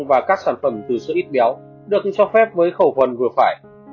và các sản phẩm từ sữa ít béo được cho phép với khẩu phần vừa phải